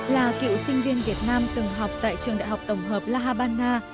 là cựu sinh viên việt nam từng học tại trường đại học tổng hợp la habana